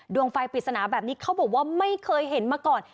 ดวงไฟปริศนาแบบนี้เขาบอกว่าไม่เคยเห็นมาก่อน